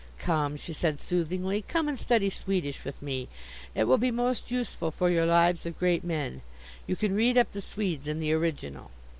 "Come," she said soothingly, "come and study Swedish with me. It will be most useful for your Lives of Great Men. You can read up the Swedes in the original.